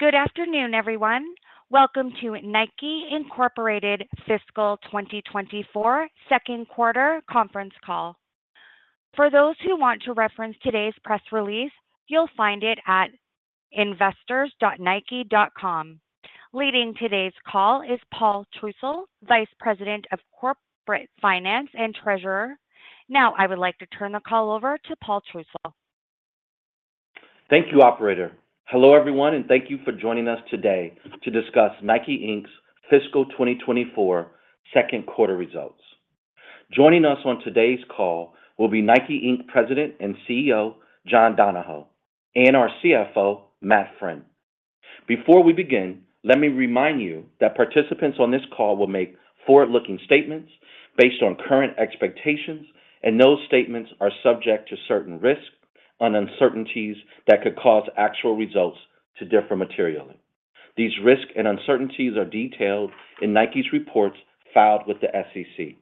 Good afternoon, everyone. Welcome to Nike, Inc. Fiscal 2024 second quarter conference call. For those who want to reference today's press release, you'll find it at investors.nike.com. Leading today's call is Paul Trussell, Vice President of Corporate Finance and Treasurer. Now I would like to turn the call over to Paul Trussell. Thank you, operator. Hello everyone, and thank you for joining us today to discuss Nike, Inc.'s Fiscal 2024 second quarter results. Joining us on today's call will be Nike, Inc. President and CEO John Donahoe and our CFO Matt Friend. Before we begin, let me remind you that participants on this call will make forward-looking statements based on current expectations, and those statements are subject to certain risk and uncertainties that could cause actual results to differ materially. These risk and uncertainties are detailed in Nike's reports filed with the SEC.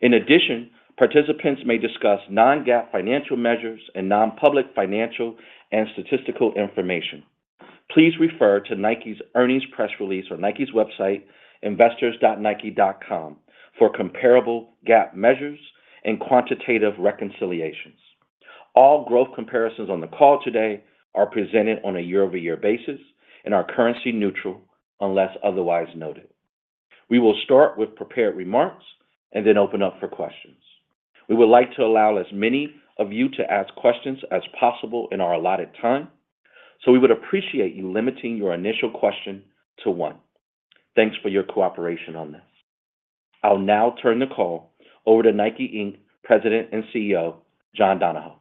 In addition, participants may discuss non-GAAP financial measures and non-public financial and statistical information. Please refer to Nike's earnings press release or Nike's website, investors.nike.com, for comparable GAAP measures and quantitative reconciliations. All growth comparisons on the call today are presented on a year-over-year basis and are currency-neutral unless otherwise noted. We will start with prepared remarks and then open up for questions. We would like to allow as many of you to ask questions as possible in our allotted time, so we would appreciate you limiting your initial question to one. Thanks for your cooperation on this. I'll now turn the call over to Nike, Inc. President and CEO John Donahoe.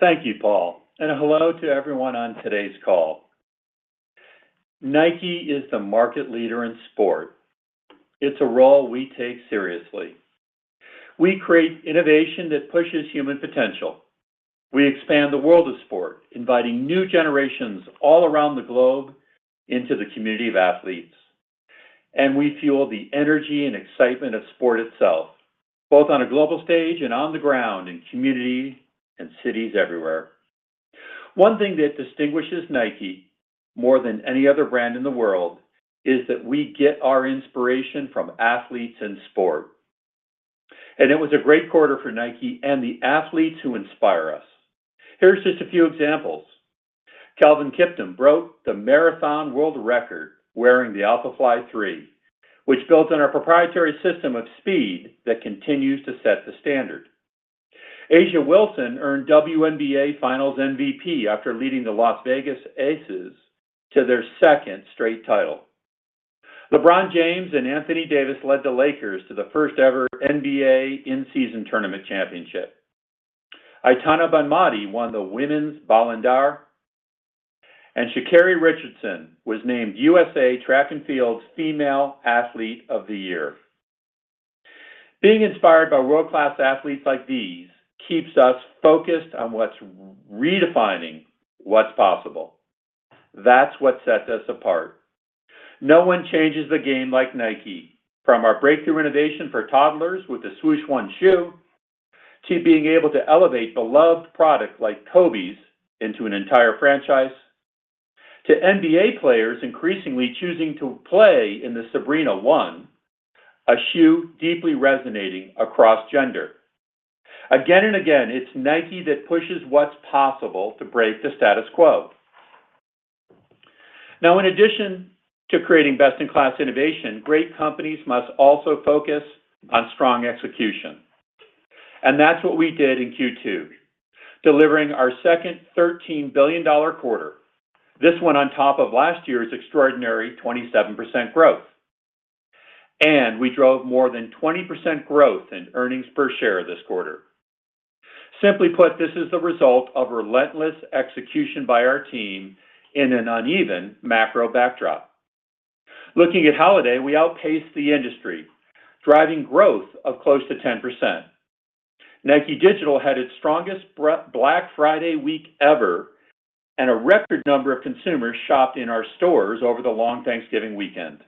Thank you, Paul, and hello to everyone on today's call. Nike is the market leader in sport. It's a role we take seriously. We create innovation that pushes human potential. We expand the world of sport, inviting new generations all around the globe into the community of athletes. We fuel the energy and excitement of sport itself, both on a global stage and on the ground in community and cities everywhere. One thing that distinguishes Nike more than any other brand in the world is that we get our inspiration from athletes in sport. It was a great quarter for Nike and the athletes who inspire us. Here's just a few examples. Kelvin Kiptum broke the marathon world record wearing the Alphafly 3, which builds on our proprietary system of speed that continues to set the standard. A'ja Wilson earned WNBA Finals MVP after leading the Las Vegas Aces to their second straight title. LeBron James and Anthony Davis led the Lakers to the first-ever NBA in-season tournament championship. Aitana Bonmatí won the women's Ballon d'Or, and Sha'Carri Richardson was named USA Track and Field's Female Athlete of the Year. Being inspired by world-class athletes like these keeps us focused on what's redefining what's possible. That's what sets us apart. No one changes the game like Nike, from our breakthrough innovation for toddlers with the Swoosh 1 shoe to being able to elevate beloved products like Kobes into an entire franchise, to NBA players increasingly choosing to play in the Sabrina 1, a shoe deeply resonating across gender. Again and again, it's Nike that pushes what's possible to break the status quo. Now, in addition to creating best-in-class innovation, great companies must also focus on strong execution. That's what we did in Q2, delivering our second $13 billion quarter, this one on top of last year's extraordinary 27% growth. We drove more than 20% growth in earnings per share this quarter. Simply put, this is the result of relentless execution by our team in an uneven macro backdrop. Looking at holiday, we outpaced the industry, driving growth of close to 10%. Nike Digital had its strongest Black Friday week ever, and a record number of consumers shopped in our stores over the long Thanksgiving weekend.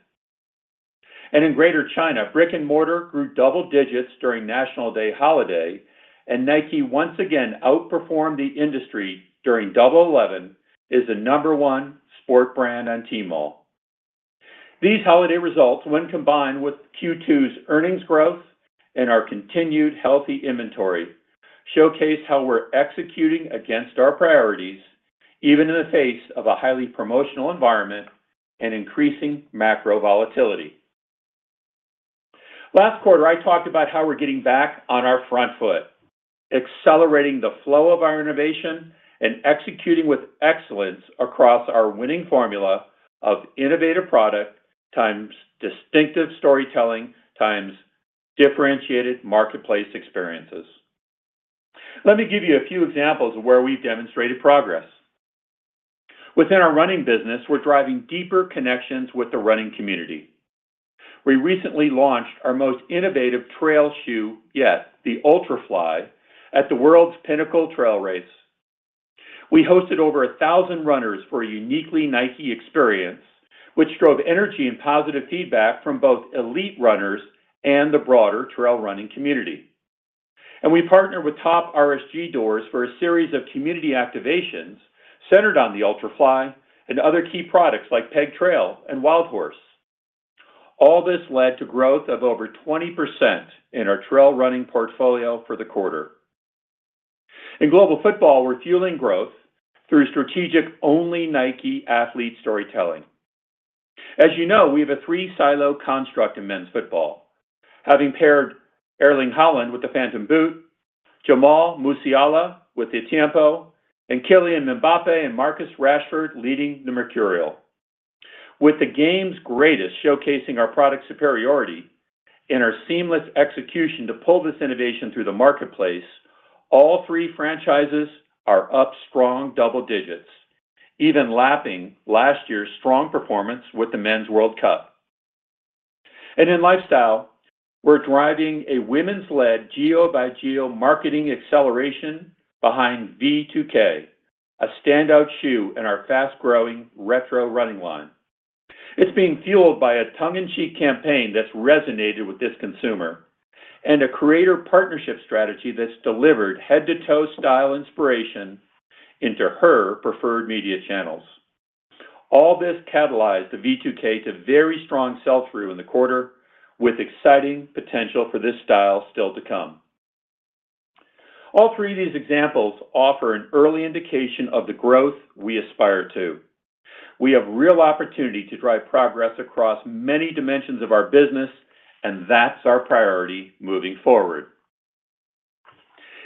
In Greater China, brick and mortar grew double digits during National Day holiday, and Nike once again outperformed the industry during Double Eleven, and Nike is the number one sport brand on Tmall. These holiday results, when combined with Q2's earnings growth and our continued healthy inventory, showcase how we're executing against our priorities, even in the face of a highly promotional environment and increasing macro volatility. Last quarter, I talked about how we're getting back on our front foot, accelerating the flow of our innovation and executing with excellence across our winning formula of innovative product times distinctive storytelling times differentiated marketplace experiences. Let me give you a few examples of where we've demonstrated progress. Within our running business, we're driving deeper connections with the running community. We recently launched our most innovative trail shoe yet, the Ultrafly, at the world's pinnacle trail race. We hosted over 1,000 runners for a uniquely Nike experience, which drove energy and positive feedback from both elite runners and the broader trail running community. We partnered with top RSG doors for a series of community activations centered on the Ultrafly and other key products like Pegasus Trail and Wildhorse. All this led to growth of over 20% in our trail running portfolio for the quarter. In global football, we're fueling growth through strategic only Nike athlete storytelling. As you know, we have a three-silo construct in men's football, having paired Erling Haaland with the Phantom boot, Jamal Musiala with the Tiempo, and Kylian Mbappé and Marcus Rashford leading the Mercurial. With the game's greatest showcasing our product superiority and our seamless execution to pull this innovation through the marketplace, all three franchises are up strong double digits, even lapping last year's strong performance with the men's World Cup. In lifestyle, we're driving a women's-led geo by geo marketing acceleration behind V2K, a standout shoe in our fast-growing retro running line. It's being fueled by a tongue-in-cheek campaign that's resonated with this consumer and a creator partnership strategy that's delivered head-to-toe style inspiration into her preferred media channels. All this catalyzed the V2K to very strong sell-through in the quarter, with exciting potential for this style still to come. All three of these examples offer an early indication of the growth we aspire to. We have real opportunity to drive progress across many dimensions of our business, and that's our priority moving forward.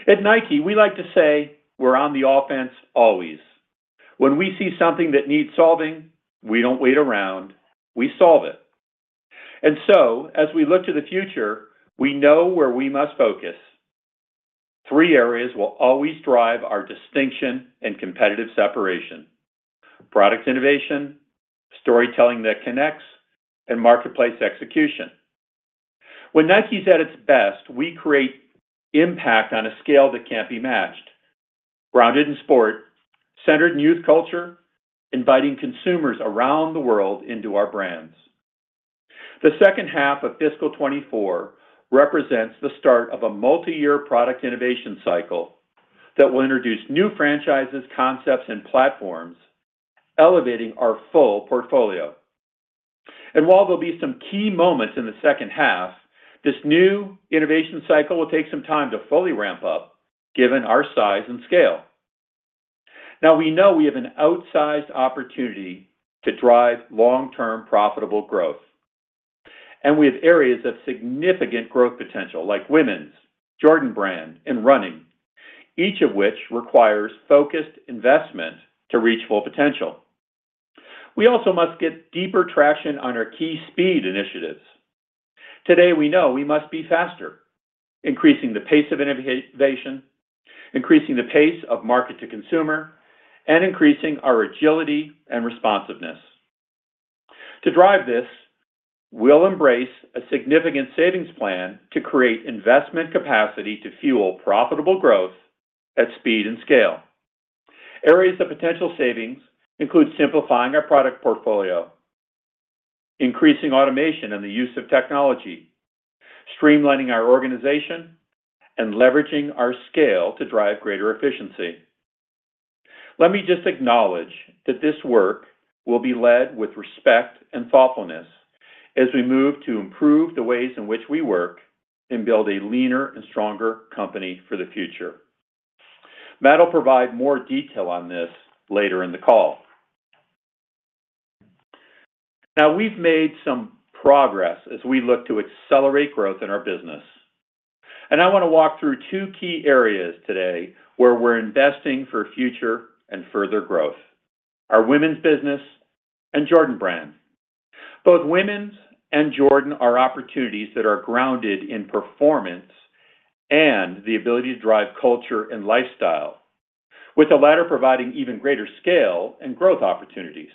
At Nike, we like to say we're on the offense always. When we see something that needs solving, we don't wait around. We solve it. And so, as we look to the future, we know where we must focus. Three areas will always drive our distinction and competitive separation: product innovation, storytelling that connects, and marketplace execution. When Nike's at its best, we create impact on a scale that can't be matched, grounded in sport, centered in youth culture, inviting consumers around the world into our brands. The second half of Fiscal 2024 represents the start of a multi-year product innovation cycle that will introduce new franchises, concepts, and platforms, elevating our full portfolio. While there'll be some key moments in the second half, this new innovation cycle will take some time to fully ramp up, given our size and scale. Now, we know we have an outsized opportunity to drive long-term profitable growth. We have areas of significant growth potential, like women's, Jordan Brand, and running, each of which requires focused investment to reach full potential. We also must get deeper traction on our key speed initiatives. Today, we know we must be faster, increasing the pace of innovation, increasing the pace of market-to-consumer, and increasing our agility and responsiveness. To drive this, we'll embrace a significant savings plan to create investment capacity to fuel profitable growth at speed and scale. Areas of potential savings include simplifying our product portfolio, increasing automation and the use of technology, streamlining our organization, and leveraging our scale to drive greater efficiency. Let me just acknowledge that this work will be led with respect and thoughtfulness as we move to improve the ways in which we work and build a leaner and stronger company for the future. Matt will provide more detail on this later in the call. Now, we've made some progress as we look to accelerate growth in our business. I want to walk through two key areas today where we're investing for future and further growth: our women's business and Jordan Brand. Both women's and Jordan are opportunities that are grounded in performance and the ability to drive culture and lifestyle, with the latter providing even greater scale and growth opportunities.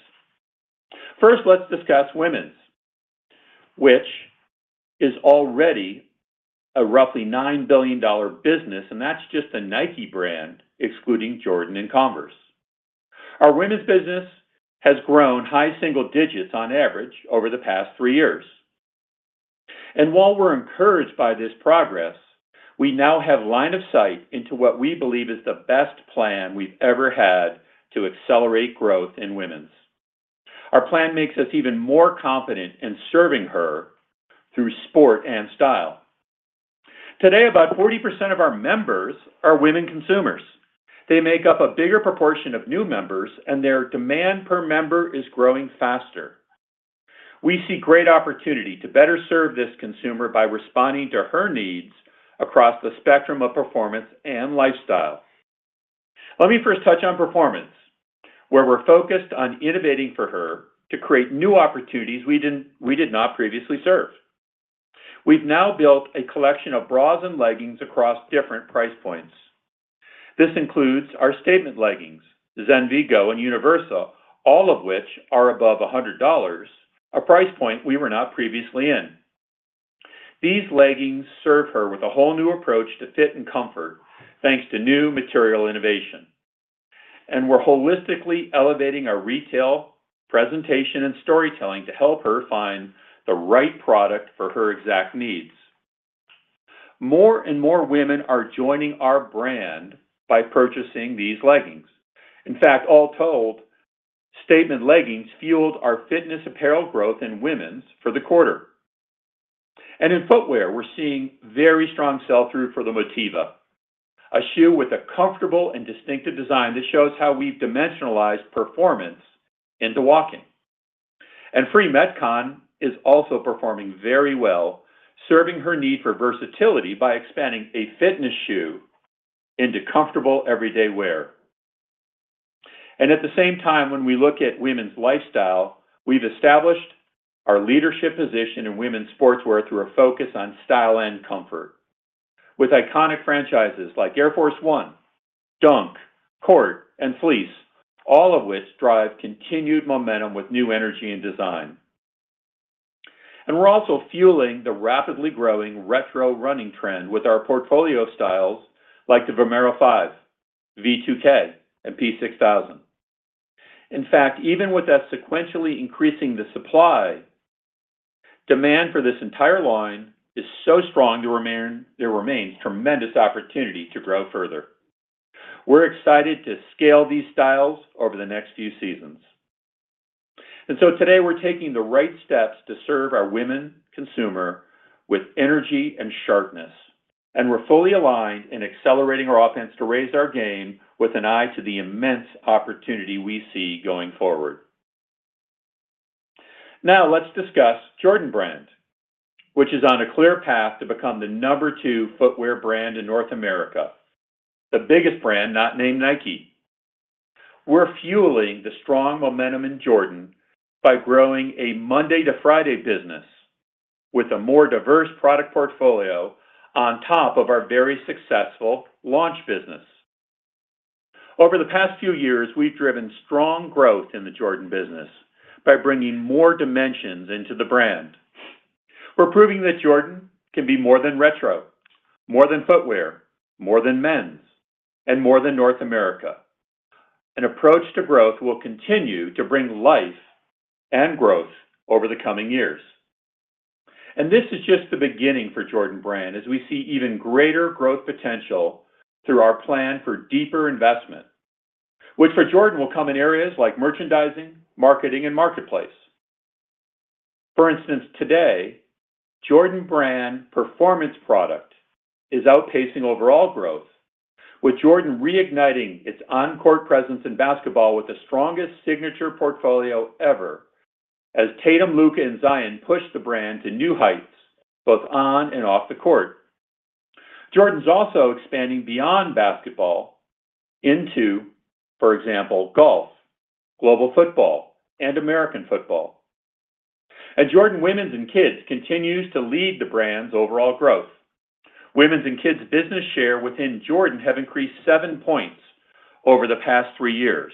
First, let's discuss women's, which is already a roughly $9 billion business, and that's just the Nike brand excluding Jordan and Converse. Our women's business has grown high single digits on average over the past 3 years. And while we're encouraged by this progress, we now have line of sight into what we believe is the best plan we've ever had to accelerate growth in women's. Our plan makes us even more confident in serving her through sport and style. Today, about 40% of our members are women consumers. They make up a bigger proportion of new members, and their demand per member is growing faster. We see great opportunity to better serve this consumer by responding to her needs across the spectrum of performance and lifestyle. Let me first touch on performance, where we're focused on innovating for her to create new opportunities we did not previously serve. We've now built a collection of bras and leggings across different price points. This includes our statement leggings, Zenvy and Universa, all of which are above $100, a price point we were not previously in. These leggings serve her with a whole new approach to fit and comfort, thanks to new material innovation. And we're holistically elevating our retail, presentation, and storytelling to help her find the right product for her exact needs. More and more women are joining our brand by purchasing these leggings. In fact, all told, statement leggings fueled our fitness apparel growth in women's for the quarter. And in footwear, we're seeing very strong sell-through for the Motiva, a shoe with a comfortable and distinctive design that shows how we've dimensionalized performance into walking. And Free Metcon is also performing very well, serving her need for versatility by expanding a fitness shoe into comfortable everyday wear. And at the same time, when we look at women's lifestyle, we've established our leadership position in women's sportswear through a focus on style and comfort, with iconic franchises like Air Force 1, Dunk, Court, and Fleece, all of which drive continued momentum with new energy and design. And we're also fueling the rapidly growing retro running trend with our portfolio of styles like the Vomero 5, V2K, and P-6000. In fact, even with us sequentially increasing the supply, demand for this entire line is so strong there remains tremendous opportunity to grow further. We're excited to scale these styles over the next few seasons. And so today, we're taking the right steps to serve our women consumer with energy and sharpness, and we're fully aligned in accelerating our offense to raise our game with an eye to the immense opportunity we see going forward. Now, let's discuss Jordan Brand, which is on a clear path to become the number 2 footwear brand in North America, the biggest brand not named Nike. We're fueling the strong momentum in Jordan by growing a Monday to Friday business with a more diverse product portfolio on top of our very successful launch business. Over the past few years, we've driven strong growth in the Jordan business by bringing more dimensions into the brand. We're proving that Jordan can be more than retro, more than footwear, more than men's, and more than North America. An approach to growth will continue to bring life and growth over the coming years. This is just the beginning for Jordan Brand, as we see even greater growth potential through our plan for deeper investment, which for Jordan will come in areas like merchandising, marketing, and marketplace. For instance, today, Jordan Brand performance product is outpacing overall growth, with Jordan reigniting its on-court presence in basketball with the strongest signature portfolio ever, as Tatum, Luka, and Zion pushed the brand to new heights both on and off the court. Jordan's also expanding beyond basketball into, for example, golf, global football, and American football. Jordan women's and kids continues to lead the brand's overall growth. Women's and kids' business share within Jordan has increased 7 points over the past 3 years.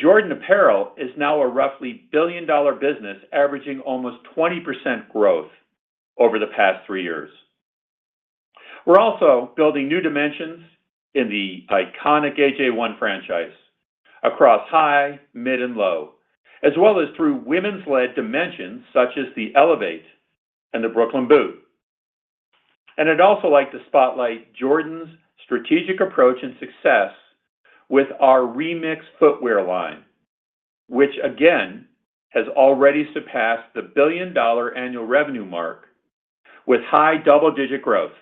Jordan apparel is now a roughly billion-dollar business averaging almost 20% growth over the past 3 years. We're also building new dimensions in the iconic AJ1 franchise across high, mid, and low, as well as through women's-led dimensions such as the Elevate and the Brooklyn Boot. I'd also like to spotlight Jordan's strategic approach and success with our Remix footwear line, which again has already surpassed the billion-dollar annual revenue mark with high double-digit growth.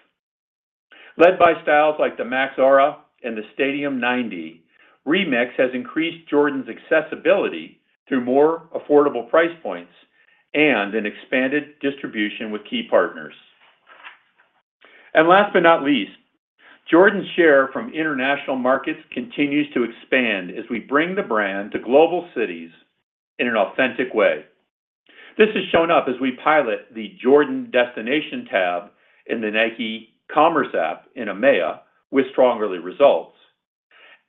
Led by styles like the Max Aura and the Stadium 90, Remix has increased Jordan's accessibility through more affordable price points and an expanded distribution with key partners. Last but not least, Jordan's share from international markets continues to expand as we bring the brand to global cities in an authentic way. This has shown up as we pilot the Jordan Destination tab in the Nike Commerce app in EMEA with stronger results.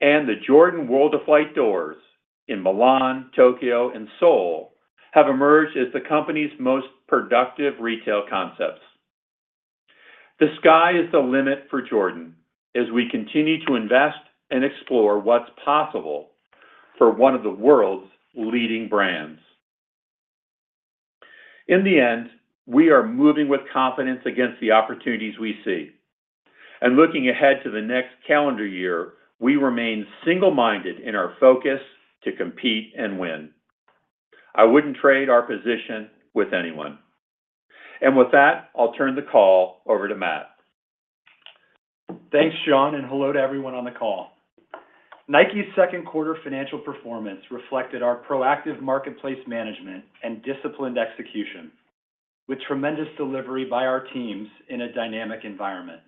The Jordan World of Flight doors in Milan, Tokyo, and Seoul have emerged as the company's most productive retail concepts. The sky is the limit for Jordan as we continue to invest and explore what's possible for one of the world's leading brands. In the end, we are moving with confidence against the opportunities we see. Looking ahead to the next calendar year, we remain single-minded in our focus to compete and win. I wouldn't trade our position with anyone. With that, I'll turn the call over to Matt. Thanks, John, and hello to everyone on the call. Nike's second quarter financial performance reflected our proactive marketplace management and disciplined execution with tremendous delivery by our teams in a dynamic environment.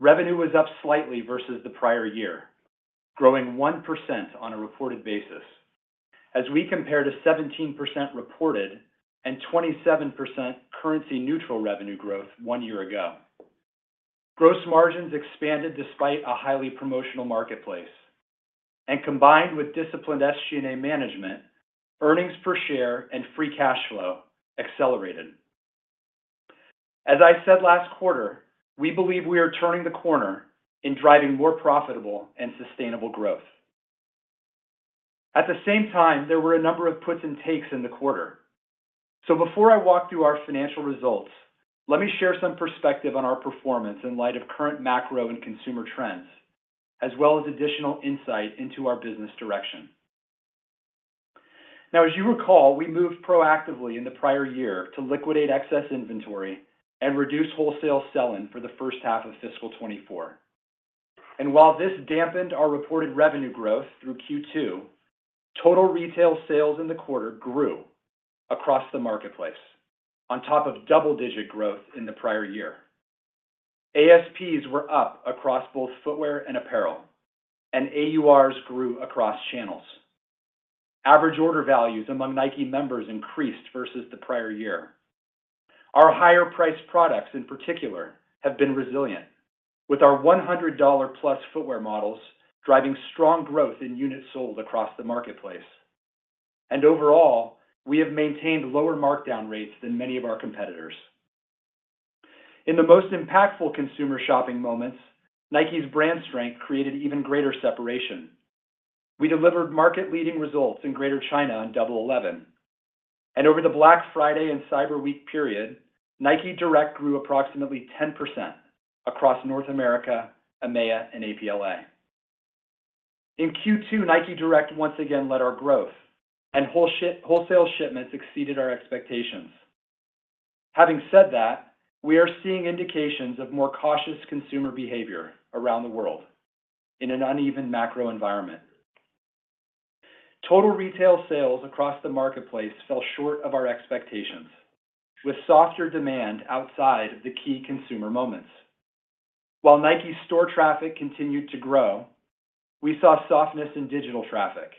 Revenue was up slightly versus the prior year, growing 1% on a reported basis as we compared to 17% reported and 27% currency-neutral revenue growth one year ago. Gross margins expanded despite a highly promotional marketplace. Combined with disciplined SG&A management, earnings per share and free cash flow accelerated. As I said last quarter, we believe we are turning the corner in driving more profitable and sustainable growth. At the same time, there were a number of puts and takes in the quarter. So before I walk through our financial results, let me share some perspective on our performance in light of current macro and consumer trends, as well as additional insight into our business direction. Now, as you recall, we moved proactively in the prior year to liquidate excess inventory and reduce wholesale sell-in for the first half of Fiscal 2024. And while this dampened our reported revenue growth through Q2, total retail sales in the quarter grew across the marketplace, on top of double-digit growth in the prior year. ASPs were up across both footwear and apparel, and AURs grew across channels. Average order values among Nike members increased versus the prior year. Our higher-priced products, in particular, have been resilient, with our $100-plus footwear models driving strong growth in units sold across the marketplace. Overall, we have maintained lower markdown rates than many of our competitors. In the most impactful consumer shopping moments, Nike's brand strength created even greater separation. We delivered market-leading results in Greater China on Double 11. Over the Black Friday and Cyber Week period, Nike Direct grew approximately 10% across North America, EMEA, and APLA. In Q2, Nike Direct once again led our growth, and wholesale shipments exceeded our expectations. Having said that, we are seeing indications of more cautious consumer behavior around the world in an uneven macro environment. Total retail sales across the marketplace fell short of our expectations, with softer demand outside of the key consumer moments. While Nike's store traffic continued to grow, we saw softness in digital traffic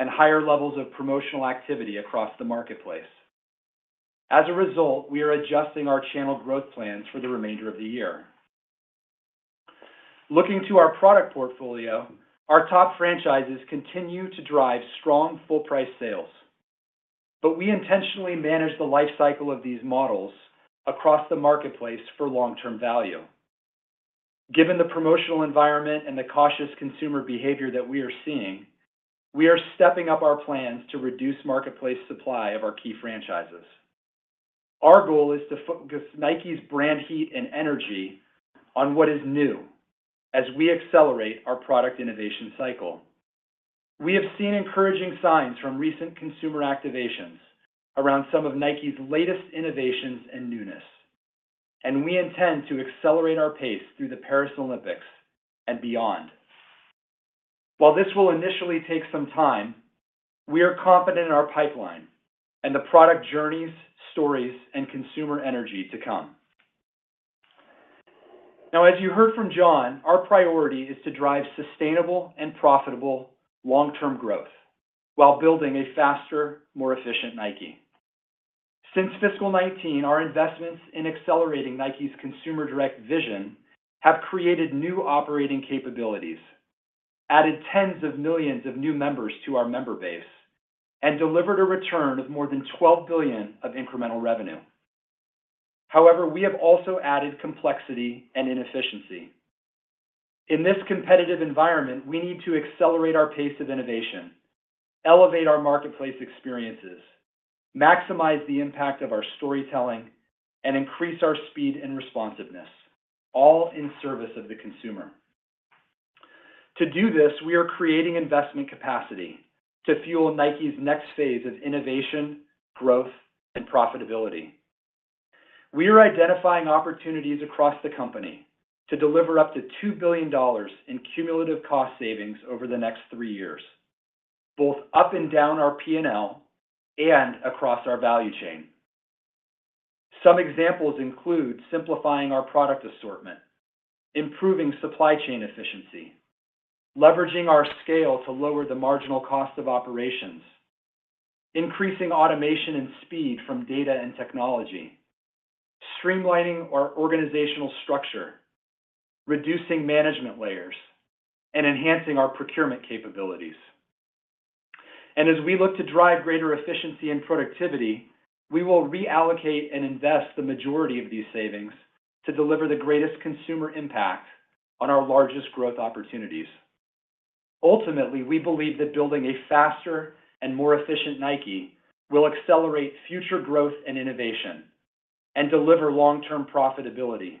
and higher levels of promotional activity across the marketplace. As a result, we are adjusting our channel growth plans for the remainder of the year. Looking to our product portfolio, our top franchises continue to drive strong full-price sales. But we intentionally manage the lifecycle of these models across the marketplace for long-term value. Given the promotional environment and the cautious consumer behavior that we are seeing, we are stepping up our plans to reduce marketplace supply of our key franchises. Our goal is to focus Nike's brand heat and energy on what is new as we accelerate our product innovation cycle. We have seen encouraging signs from recent consumer activations around some of Nike's latest innovations and newness, and we intend to accelerate our pace through the Paris Olympics and beyond. While this will initially take some time, we are confident in our pipeline and the product journeys, stories, and consumer energy to come. Now, as you heard from John, our priority is to drive sustainable and profitable long-term growth while building a faster, more efficient Nike. Since Fiscal 2019, our investments in accelerating Nike's consumer-direct vision have created new operating capabilities, added tens of millions of new members to our member base, and delivered a return of more than $12 billion of incremental revenue. However, we have also added complexity and inefficiency. In this competitive environment, we need to accelerate our pace of innovation, elevate our marketplace experiences, maximize the impact of our storytelling, and increase our speed and responsiveness, all in service of the consumer. To do this, we are creating investment capacity to fuel Nike's next phase of innovation, growth, and profitability. We are identifying opportunities across the company to deliver up to $2 billion in cumulative cost savings over the next three years, both up and down our P&L and across our value chain. Some examples include simplifying our product assortment, improving supply chain efficiency, leveraging our scale to lower the marginal cost of operations, increasing automation and speed from data and technology, streamlining our organizational structure, reducing management layers, and enhancing our procurement capabilities. As we look to drive greater efficiency and productivity, we will reallocate and invest the majority of these savings to deliver the greatest consumer impact on our largest growth opportunities. Ultimately, we believe that building a faster and more efficient Nike will accelerate future growth and innovation and deliver long-term profitability,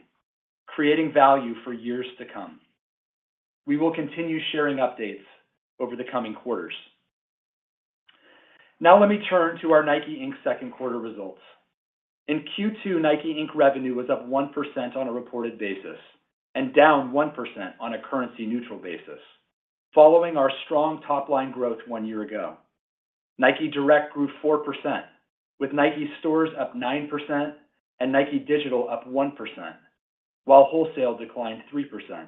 creating value for years to come. We will continue sharing updates over the coming quarters. Now, let me turn to our Nike, Inc. second quarter results. In Q2, Nike, Inc. revenue was up 1% on a reported basis and down 1% on a currency-neutral basis, following our strong top-line growth one year ago. Nike Direct grew 4%, with Nike Stores up 9% and Nike Digital up 1%, while wholesale declined 3%.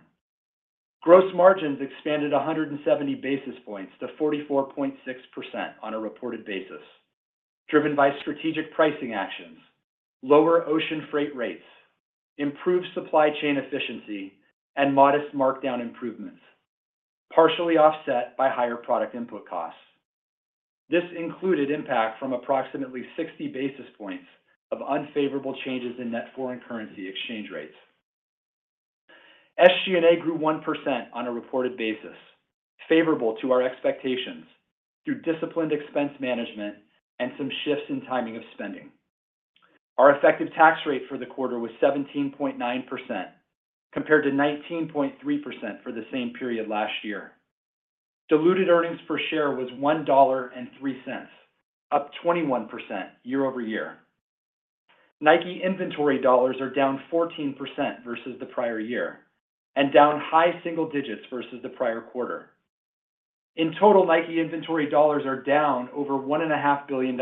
Gross margins expanded 170 basis points to 44.6% on a reported basis, driven by strategic pricing actions, lower ocean freight rates, improved supply chain efficiency, and modest markdown improvements, partially offset by higher product input costs. This included impact from approximately 60 basis points of unfavorable changes in net foreign currency exchange rates. SG&A grew 1% on a reported basis, favorable to our expectations, through disciplined expense management and some shifts in timing of spending. Our effective tax rate for the quarter was 17.9%, compared to 19.3% for the same period last year. Diluted earnings per share was $1.03, up 21% year-over-year. Nike inventory dollars are down 14% versus the prior year and down high single digits versus the prior quarter. In total, Nike inventory dollars are down over $1.5 billion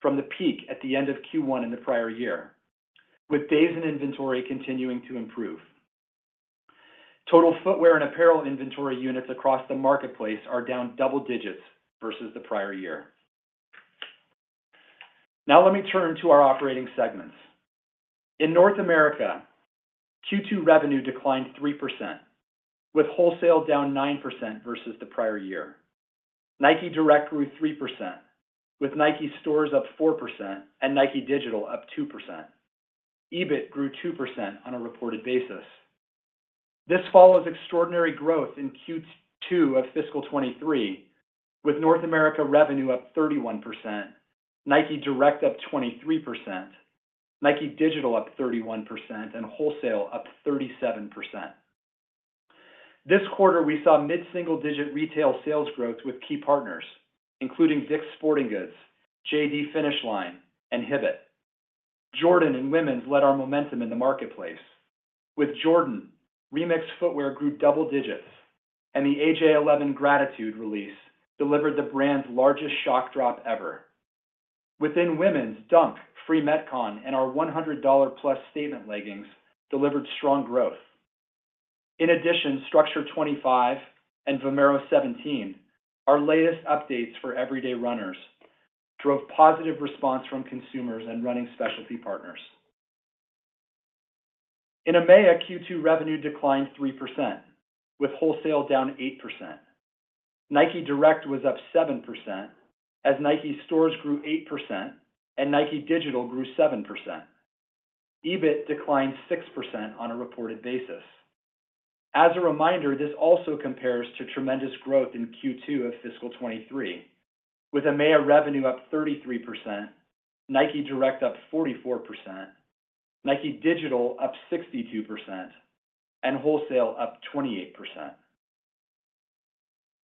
from the peak at the end of Q1 in the prior year, with days in inventory continuing to improve. Total footwear and apparel inventory units across the marketplace are down double digits versus the prior year. Now, let me turn to our operating segments. In North America, Q2 revenue declined 3%, with wholesale down 9% versus the prior year. Nike Direct grew 3%, with Nike Stores up 4% and Nike Digital up 2%. EBIT grew 2% on a reported basis. This follows extraordinary growth in Q2 of Fiscal 2023, with North America revenue up 31%, Nike Direct up 23%, Nike Digital up 31%, and wholesale up 37%. This quarter, we saw mid-single-digit retail sales growth with key partners, including DICK'S Sporting Goods, Finish Line, and Hibbett. Jordan and women's led our momentum in the marketplace. With Jordan, Remix footwear grew double digits, and the AJ11 Gratitude release delivered the brand's largest shock drop ever. Within women's, Dunk, Free Metcon, and our $100-plus Statement leggings delivered strong growth. In addition, Structure 25 and Vomero 17, our latest updates for everyday runners, drove positive response from consumers and running specialty partners. In EMEA, Q2 revenue declined 3%, with wholesale down 8%. Nike Direct was up 7%, as Nike Stores grew 8% and Nike Digital grew 7%. EBIT declined 6% on a reported basis. As a reminder, this also compares to tremendous growth in Q2 of Fiscal 2023, with EMEA revenue up 33%, Nike Direct up 44%, Nike Digital up 62%, and wholesale up 28%.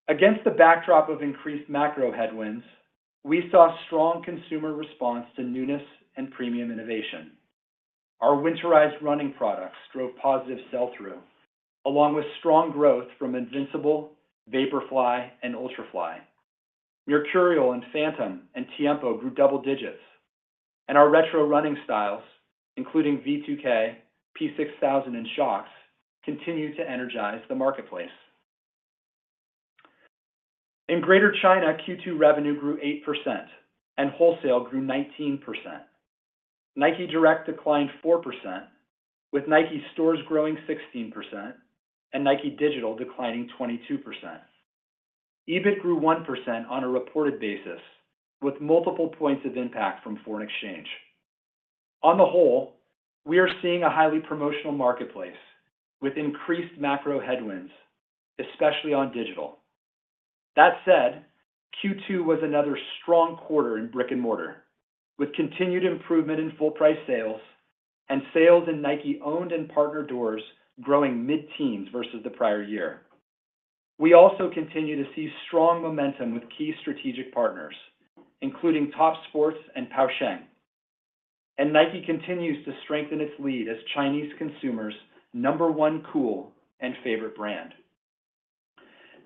Against the backdrop of increased macro headwinds, we saw strong consumer response to newness and premium innovation. Our winterized running products drove positive sell-through, along with strong growth from Invincible, Vaporfly, and Ultrafly. Mercurial and Phantom and Tiempo grew double digits, and our retro running styles, including V2K, P-6000, and Shox, continue to energize the marketplace. In Greater China, Q2 revenue grew 8% and wholesale grew 19%. Nike Direct declined 4%, with Nike Stores growing 16% and Nike Digital declining 22%. EBIT grew 1% on a reported basis, with multiple points of impact from foreign exchange. On the whole, we are seeing a highly promotional marketplace with increased macro headwinds, especially on digital. That said, Q2 was another strong quarter in brick and mortar, with continued improvement in full-price sales and sales in Nike-owned and partnered doors growing mid-teens versus the prior year. We also continue to see strong momentum with key strategic partners, including Topsports and Pou Sheng, and Nike continues to strengthen its lead as Chinese consumers' number one cool and favorite brand.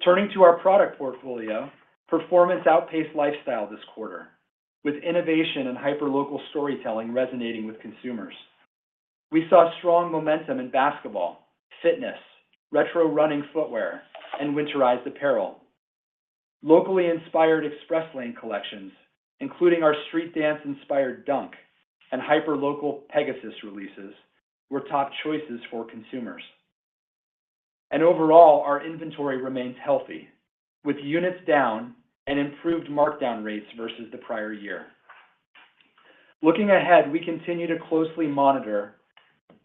Turning to our product portfolio, performance outpaced lifestyle this quarter, with innovation and hyper-local storytelling resonating with consumers. We saw strong momentum in basketball, fitness, retro running footwear, and winterized apparel. Locally inspired Express Lane collections, including our street-dance-inspired Dunk and hyper-local Pegasus releases, were top choices for consumers. Overall, our inventory remains healthy, with units down and improved markdown rates versus the prior year. Looking ahead, we continue to closely monitor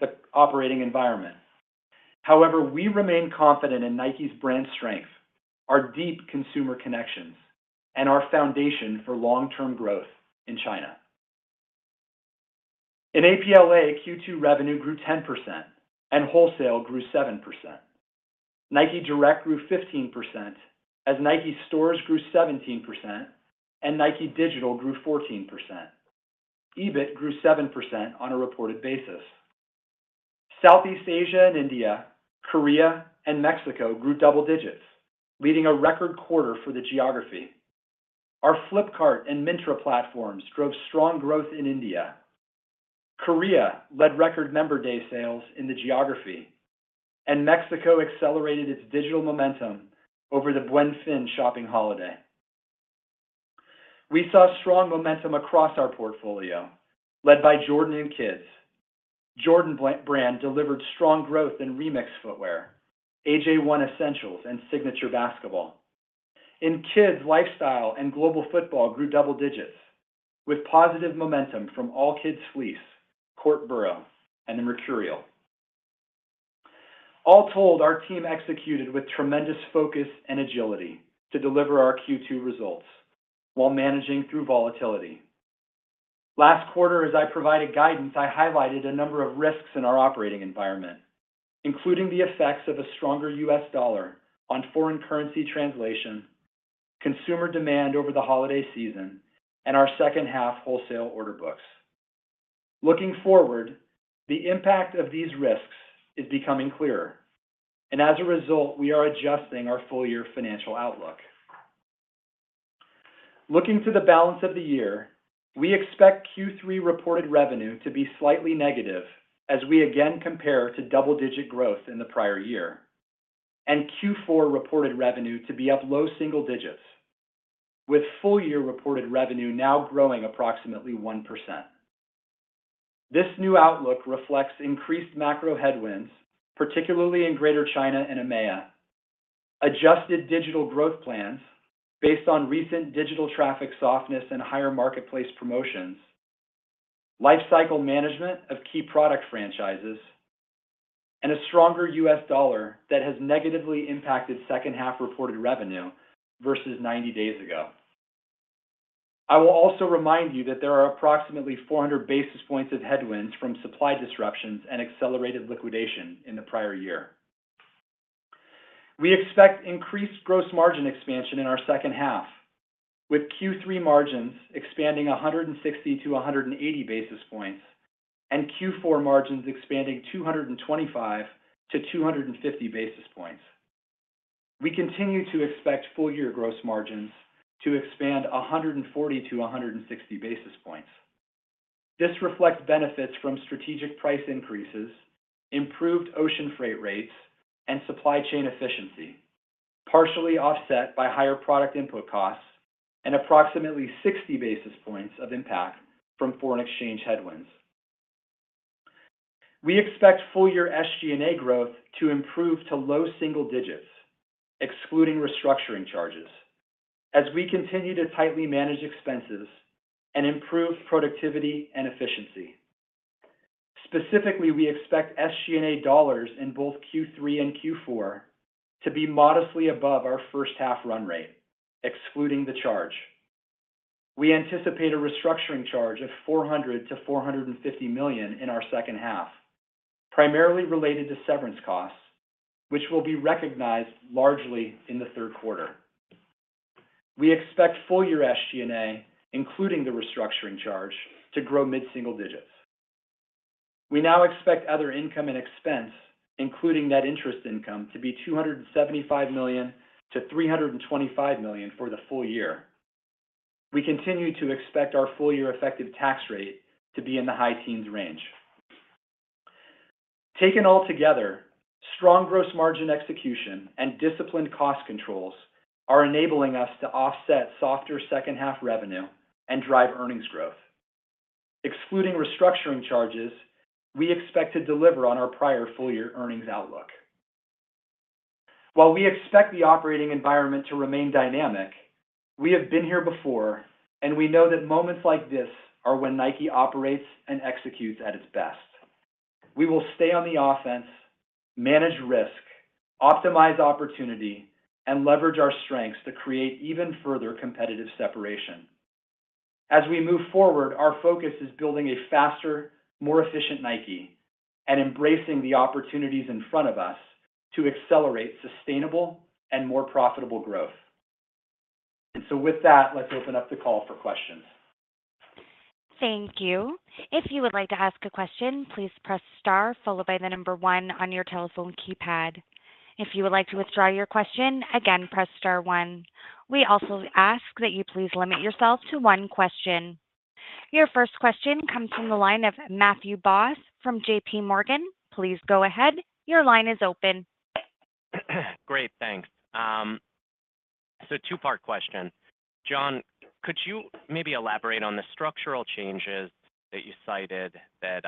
the operating environment. However, we remain confident in Nike's brand strength, our deep consumer connections, and our foundation for long-term growth in China. In APLA, Q2 revenue grew 10% and wholesale grew 7%. Nike Direct grew 15%, as Nike Stores grew 17% and Nike Digital grew 14%. EBIT grew 7% on a reported basis. Southeast Asia and India, Korea, and Mexico grew double digits, leading a record quarter for the geography. Our Flipkart and Myntra platforms drove strong growth in India. Korea led record Member Day sales in the geography, and Mexico accelerated its digital momentum over the Buen Fin shopping holiday. We saw strong momentum across our portfolio, led by Jordan and Kids. Jordan Brand delivered strong growth in Remix footwear, AJ1 Essentials, and signature basketball. In Kids, lifestyle and global football grew double digits, with positive momentum from All Kids Fleece, Court Borough, and the Mercurial. All told, our team executed with tremendous focus and agility to deliver our Q2 results while managing through volatility. Last quarter, as I provided guidance, I highlighted a number of risks in our operating environment, including the effects of a stronger U.S. dollar on foreign currency translation, consumer demand over the holiday season, and our second-half wholesale order books. Looking forward, the impact of these risks is becoming clearer, and as a result, we are adjusting our full-year financial outlook. Looking to the balance of the year, we expect Q3 reported revenue to be slightly negative as we again compare to double-digit growth in the prior year, and Q4 reported revenue to be up low single digits, with full-year reported revenue now growing approximately 1%. This new outlook reflects increased macro headwinds, particularly in Greater China and EMEA, adjusted digital growth plans based on recent digital traffic softness and higher marketplace promotions, lifecycle management of key product franchises, and a stronger U.S. dollar that has negatively impacted second-half reported revenue versus 90 days ago. I will also remind you that there are approximately 400 basis points of headwinds from supply disruptions and accelerated liquidation in the prior year. We expect increased gross margin expansion in our second half, with Q3 margins expanding 160-180 basis points and Q4 margins expanding 225-250 basis points. We continue to expect full-year gross margins to expand 140-160 basis points. This reflects benefits from strategic price increases, improved ocean freight rates, and supply chain efficiency, partially offset by higher product input costs and approximately 60 basis points of impact from foreign exchange headwinds. We expect full-year SG&A growth to improve to low single digits, excluding restructuring charges, as we continue to tightly manage expenses and improve productivity and efficiency. Specifically, we expect SG&A dollars in both Q3 and Q4 to be modestly above our first-half run rate, excluding the charge. We anticipate a restructuring charge of $400-$450 million in our second half, primarily related to severance costs, which will be recognized largely in the third quarter. We expect full-year SG&A, including the restructuring charge, to grow mid-single digits. We now expect other income and expense, including net interest income, to be $275 million-$325 million for the full year. We continue to expect our full-year effective tax rate to be in the high teens range. Taken all together, strong gross margin execution and disciplined cost controls are enabling us to offset softer second-half revenue and drive earnings growth. Excluding restructuring charges, we expect to deliver on our prior full-year earnings outlook. While we expect the operating environment to remain dynamic, we have been here before, and we know that moments like this are when Nike operates and executes at its best. We will stay on the offense, manage risk, optimize opportunity, and leverage our strengths to create even further competitive separation. As we move forward, our focus is building a faster, more efficient Nike and embracing the opportunities in front of us to accelerate sustainable and more profitable growth. With that, let's open up the call for questions. Thank you. If you would like to ask a question, please press * followed by the number 1 on your telephone keypad. If you would like to withdraw your question, again, press * 1. We also ask that you please limit yourself to one question. Your first question comes from the line of Matthew Boss from J.P. Morgan. Please go ahead. Your line is open. Great, thanks. So two-part question. John, could you maybe elaborate on the structural changes that you cited that,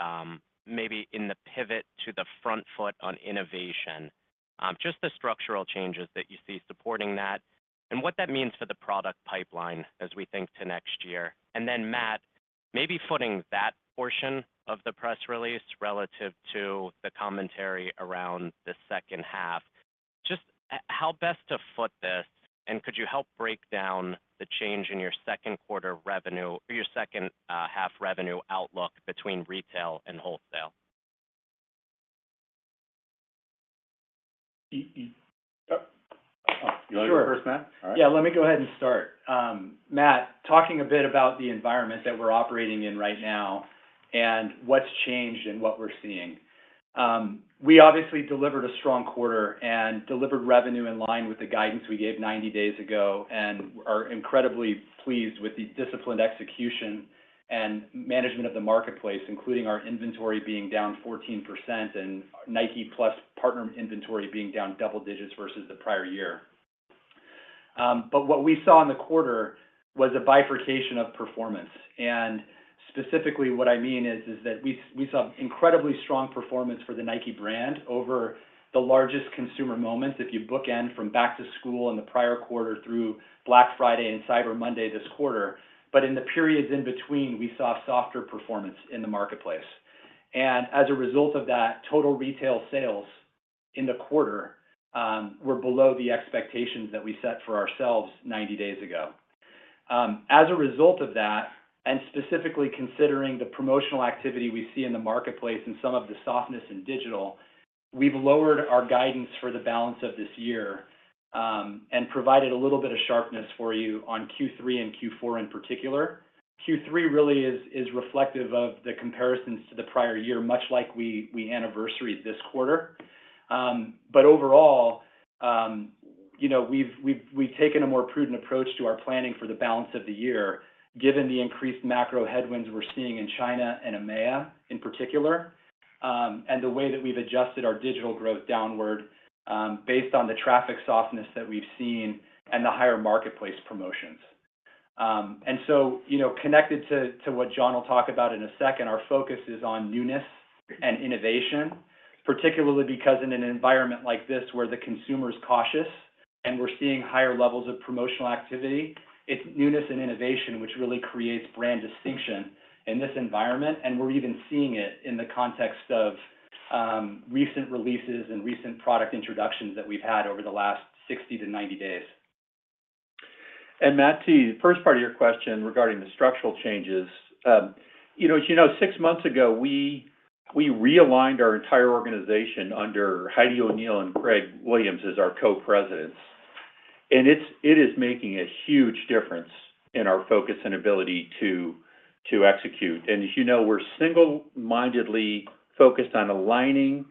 maybe in the pivot to the front foot on innovation, just the structural changes that you see supporting that and what that means for the product pipeline as we think to next year? And then, Matt, maybe footnote that portion of the press release relative to the commentary around the second-half. Just, how best to footnote this, and could you help break down the change in your second-quarter revenue or your second-half revenue outlook between retail and wholesale? Yep. You wanna go first, Matt? Sure. All right. Yeah, let me go ahead and start. Matt, talking a bit about the environment that we're operating in right now and what's changed and what we're seeing. We obviously delivered a strong quarter and delivered revenue in line with the guidance we gave 90 days ago, and we are incredibly pleased with the disciplined execution and management of the marketplace, including our inventory being down 14% and Nike Plus partner inventory being down double digits versus the prior year. But what we saw in the quarter was a bifurcation of performance. And specifically, what I mean is that we saw incredibly strong performance for the Nike brand over the largest consumer moments, if you bookend from back to school in the prior quarter through Black Friday and Cyber Monday this quarter. But in the periods in between, we saw softer performance in the marketplace. And as a result of that, total retail sales in the quarter were below the expectations that we set for ourselves 90 days ago. As a result of that, and specifically considering the promotional activity we see in the marketplace and some of the softness in digital, we've lowered our guidance for the balance of this year, and provided a little bit of sharpness for you on Q3 and Q4 in particular. Q3 really is, is reflective of the comparisons to the prior year, much like we, we anniversary this quarter. But overall, you know, we've, we've, we've taken a more prudent approach to our planning for the balance of the year, given the increased macro headwinds we're seeing in China and EMEA in particular, and the way that we've adjusted our digital growth downward, based on the traffic softness that we've seen and the higher marketplace promotions. And so, you know, connected to what John will talk about in a second, our focus is on newness and innovation, particularly because in an environment like this where the consumer's cautious and we're seeing higher levels of promotional activity, it's newness and innovation which really creates brand distinction in this environment. And we're even seeing it in the context of recent releases and recent product introductions that we've had over the last 60-90 days. And Matthew, the first part of your question regarding the structural changes, you know, as you know, six months ago, we realigned our entire organization under Heidi O’Neill and Craig Williams as our co-presidents. And it is making a huge difference in our focus and ability to execute. As you know, we're single-mindedly focused on aligning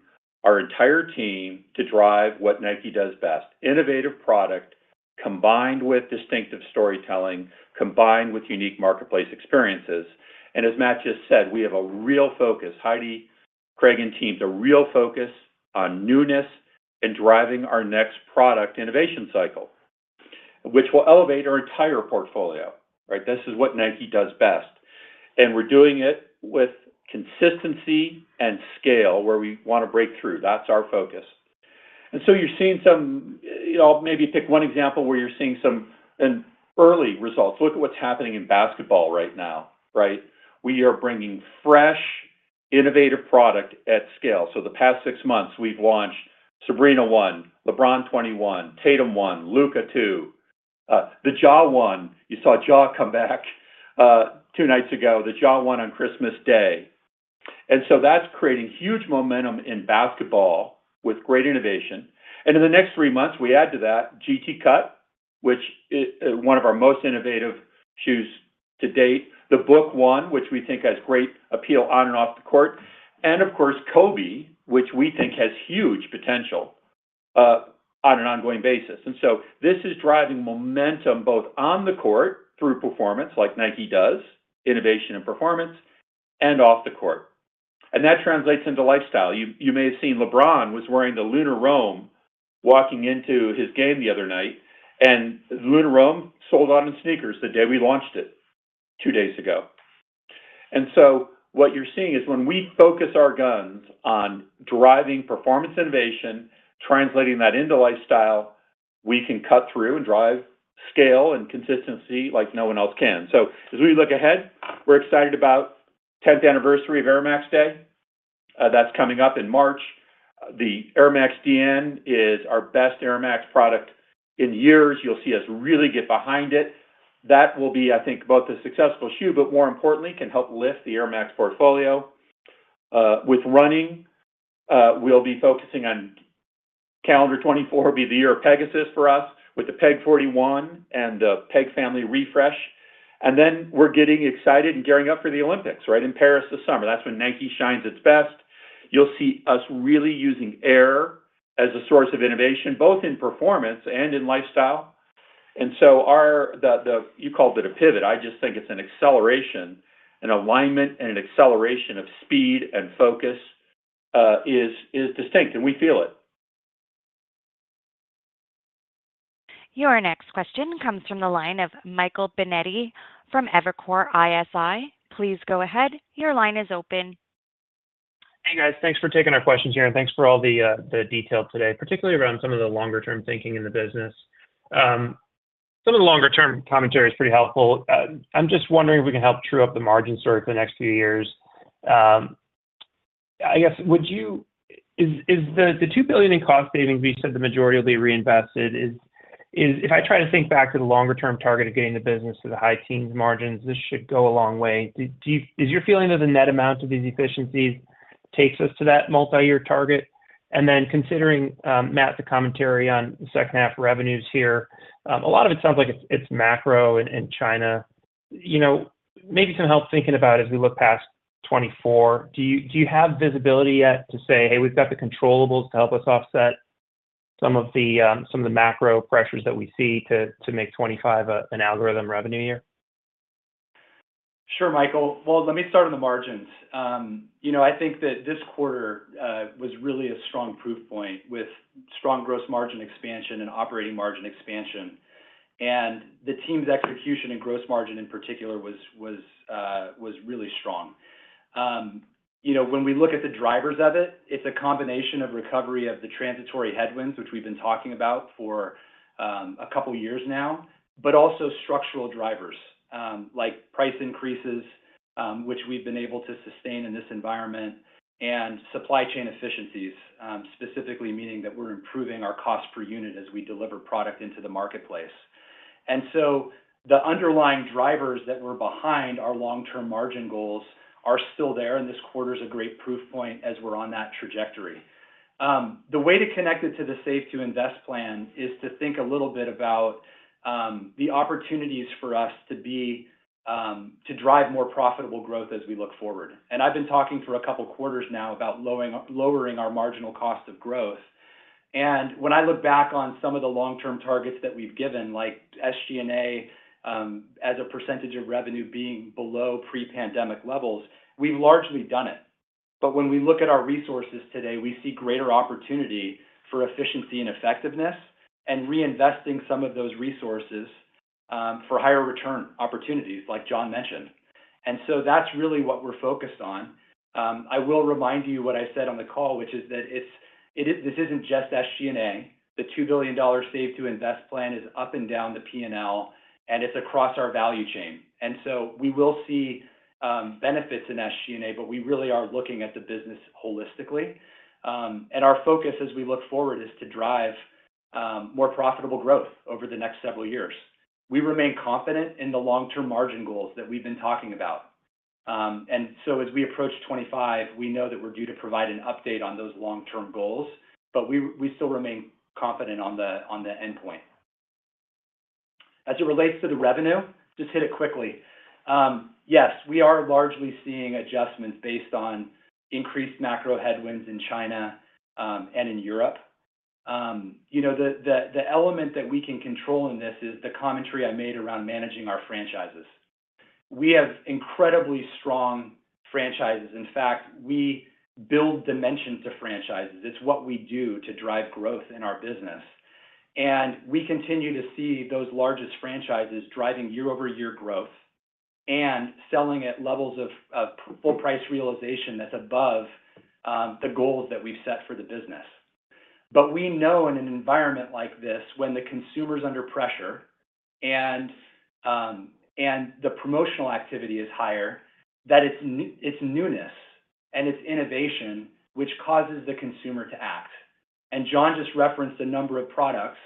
our entire team to drive what Nike does best: innovative product combined with distinctive storytelling combined with unique marketplace experiences. As Matt just said, we have a real focus. Heidi, Craig, and team's a real focus on newness and driving our next product innovation cycle, which will elevate our entire portfolio, right? This is what Nike does best. We're doing it with consistency and scale where we wanna break through. That's our focus. So you're seeing some you know, I'll maybe pick one example where you're seeing some early results. Look at what's happening in basketball right now, right? We are bringing fresh, innovative product at scale. So the past 6 months, we've launched Sabrina 1, LeBron 21, Tatum 1, Luka 2, the Ja 1. You saw Ja come back two nights ago, the Ja 1 on Christmas Day. So that's creating huge momentum in basketball with great innovation. In the next three months, we add to that GT Cut, which is one of our most innovative shoes to date, the Book 1, which we think has great appeal on and off the court, and of course, Kobe, which we think has huge potential on an ongoing basis. So this is driving momentum both on the court through performance, like Nike does, innovation and performance, and off the court. That translates into lifestyle. You, you may have seen LeBron was wearing the Lunar Roam walking into his game the other night, and the Lunar Roam sold out in seconds the day we launched it two days ago. And so what you're seeing is when we focus our guns on driving performance innovation, translating that into lifestyle, we can cut through and drive scale and consistency like no one else can. So as we look ahead, we're excited about the 10th anniversary of Air Max Day. That's coming up in March. The Air Max DN is our best Air Max product in years. You'll see us really get behind it. That will be, I think, both a successful shoe, but more importantly, can help lift the Air Max portfolio. With running, we'll be focusing on calendar 2024 will be the year of Pegasus for us with the Peg 41 and the Peg family refresh. And then we're getting excited and gearing up for the Olympics, right, in Paris this summer. That's when Nike shines its best. You'll see us really using air as a source of innovation, both in performance and in lifestyle. And so you called it a pivot. I just think it's an acceleration, an alignment, and an acceleration of speed and focus is distinct, and we feel it. Your next question comes from the line of Michael Binetti from Evercore ISI. Please go ahead. Your line is open. Hey, guys. Thanks for taking our questions here, and thanks for all the detail today, particularly around some of the longer-term thinking in the business. Some of the longer-term commentary is pretty helpful. I'm just wondering if we can help true up the margin story for the next few years. I guess, is the $2 billion in cost savings we said the majority will be reinvested? If I try to think back to the longer-term target of getting the business to the high teens margins, this should go a long way. Is your feeling that the net amount of these efficiencies takes us to that multi-year target? And then considering, Matt, the commentary on the second-half revenues here, a lot of it sounds like it's macro in China. You know, maybe some help thinking about as we look past 2024. Do you have visibility yet to say, "Hey, we've got the controllables to help us offset some of the macro pressures that we see to make 2025 a, an algorithm revenue year"? Sure, Michael. Well, let me start on the margins. You know, I think that this quarter was really a strong proof point with strong gross margin expansion and operating margin expansion. And the team's execution in gross margin in particular was really strong. You know, when we look at the drivers of it, it's a combination of recovery of the transitory headwinds, which we've been talking about for a couple years now, but also structural drivers, like price increases, which we've been able to sustain in this environment, and supply chain efficiencies, specifically meaning that we're improving our cost per unit as we deliver product into the marketplace. And so the underlying drivers that were behind our long-term margin goals are still there, and this quarter's a great proof point as we're on that trajectory. The way to connect it to the Save to Invest plan is to think a little bit about the opportunities for us to be to drive more profitable growth as we look forward. And I've been talking for a couple quarters now about lowering our marginal cost of growth. And when I look back on some of the long-term targets that we've given, like SG&A as a percentage of revenue being below pre-pandemic levels, we've largely done it. But when we look at our resources today, we see greater opportunity for efficiency and effectiveness and reinvesting some of those resources for higher return opportunities, like John mentioned. And so that's really what we're focused on. I will remind you what I said on the call, which is that it is this isn't just SG&A. The $2 billion Save to Invest plan is up and down the P&L, and it's across our value chain. So we will see benefits in SG&A, but we really are looking at the business holistically. Our focus as we look forward is to drive more profitable growth over the next several years. We remain confident in the long-term margin goals that we've been talking about. So as we approach 2025, we know that we're due to provide an update on those long-term goals, but we still remain confident on the endpoint. As it relates to the revenue, just hit it quickly. Yes, we are largely seeing adjustments based on increased macro headwinds in China, and in Europe. You know, the element that we can control in this is the commentary I made around managing our franchises. We have incredibly strong franchises. In fact, we build dimensions to franchises. It's what we do to drive growth in our business. We continue to see those largest franchises driving year-over-year growth and selling at levels of, of full price realization that's above the goals that we've set for the business. But we know in an environment like this, when the consumer's under pressure and, and the promotional activity is higher, that it's new it's newness and it's innovation which causes the consumer to act. John just referenced a number of products,